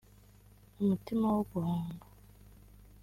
umutima wo guhanga